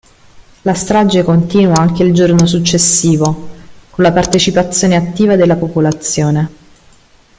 La strage continua anche il giorno successivo, con la partecipazione attiva della popolazione.